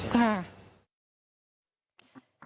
ค่ะ